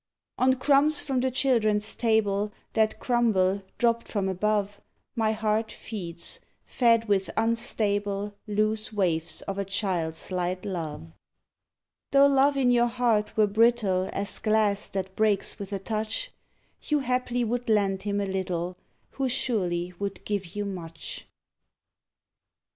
On crumbs from the children's table That crumble, dropped from above, My heart feeds, fed with unstable Loose waifs of a child's light love. Though love in your heart were brittle As glass that breaks with a touch, You haply would lend him a little Who surely would give you much.